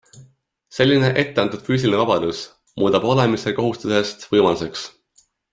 Selline etteantud füüsiline vabadus muudab olemise kohustusest võimaluseks.